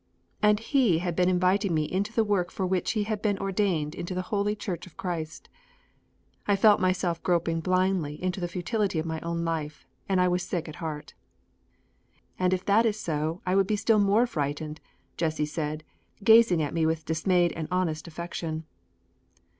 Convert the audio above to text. And he had been inviting me into the work for which he had been ordained into the holy Church of Christ. I felt myself groping blindly into the futility of my own life, and I was sick at heart. "And if that is so, I would be still more frightened," Jessie said, gazing at me with dismayed and honest affection.